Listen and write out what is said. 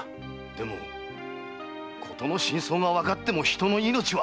でもことの真相がわかっても人の命は！